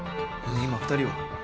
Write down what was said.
今２人は？